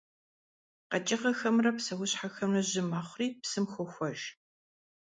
КъэкӀыгъэхэмрэ псэущхьэхэмрэ жьы мэхъури псым хохуэж.